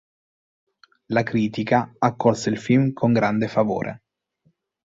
La critica accolse il film con grande favore.